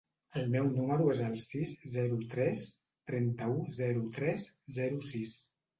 El meu número es el sis, zero, tres, trenta-u, zero, tres, zero, sis.